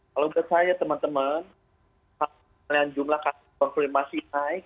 kalau menurut saya teman teman kalau kalian jumlah kasus konflimasi naik